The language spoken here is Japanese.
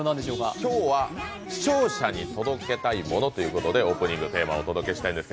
今日は視聴者に届けたいものということでオープニングテーマお送りしたいんですが。